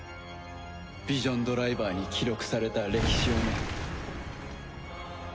ヴィジョンドライバーに記録された歴史をね。